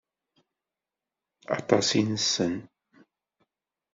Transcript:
Aṭas i nessen.